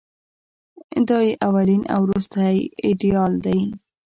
دای یې اولین او وروستۍ ایډیال دی.